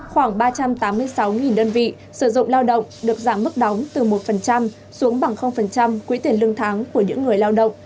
khoảng ba trăm tám mươi sáu đơn vị sử dụng lao động được giảm mức đóng từ một xuống bằng quỹ tiền lương tháng của những người lao động